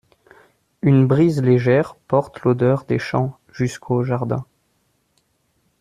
Une brise légère porte l’odeur des champs jusqu’au jardin.